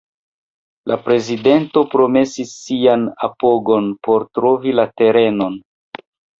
La prezidento promesis sian apogon por trovi la terenon.